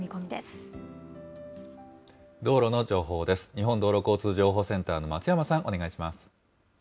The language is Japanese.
日本道路交通情報センターの松山さん、お願いします。